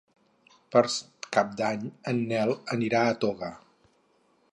Per Cap d'Any en Nel anirà a Toga.